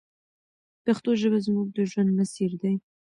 پښتو ژبه زموږ د ژوند مسیر دی.